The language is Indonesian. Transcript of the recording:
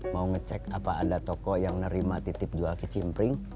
mau ngecek apa ada toko yang nerima titip jual ke cimpring